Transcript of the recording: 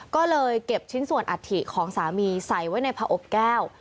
ก็เลยเก็บชิ้นส่วนอัฐิของสามีใส่ไว้ในผอบแก้ว